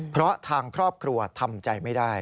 เพราะทางครอบครัวทำใจไม่ได้